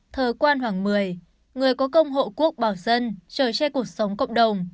thờ quan hoàng mười người có công hộ quốc bảo dân trời che cuộc sống cộng đồng